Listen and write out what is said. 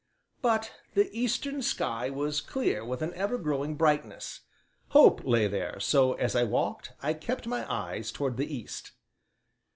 But the eastern sky was clear with an ever growing brightness; hope lay there, so, as I walked, I kept my eyes towards the east.